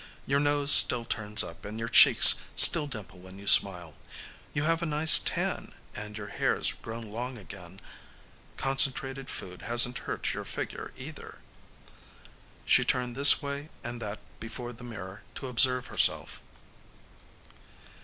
Your nose still turns up and your cheeks still dimple when you smile. You have a nice tan and your hair's grown long again. Concentrated food hasn't hurt your figure, either." She turned this way and that before the mirror to observe herself.